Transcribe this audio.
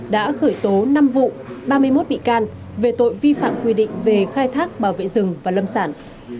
đã khởi tố năm vụ ba mươi một bị can về tội vi phạm quy định về khai thác bảo vệ rừng và lâm sản